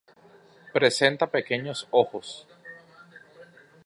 Presenta pequeños ojos.